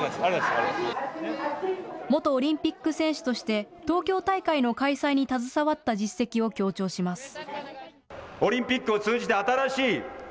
元オリンピック選手として東京大会の開催に携わった実績を強調します。